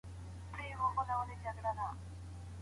که هغوی د خاوند او ميرمني تر منځ په صلح موافق نسي.